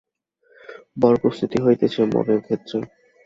বড় প্রস্তুতি হইতেছে মনের ক্ষেত্রে।